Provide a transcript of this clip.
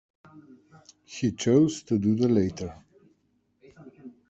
He chose to do the latter.